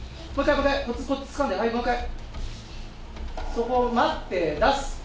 そこ待って出す。